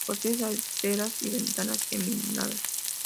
Posee saeteras y ventanas geminadas.